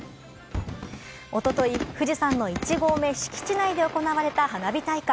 一昨日、富士山の１合目敷地内で行われた花火大会。